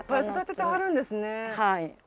はい。